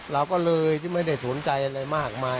เราก็เลยที่ไม่ได้สนใจอะไรมากมาย